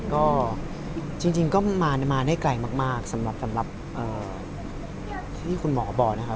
ก็จริงก็มาได้ไกลมากสำหรับที่คุณหมอบอกนะครับ